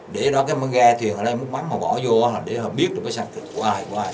để đó cái ghe thuyền ở đây múc mắm họ bỏ vô để họ biết được cái sạch của ai của ai